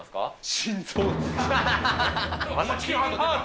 心臓。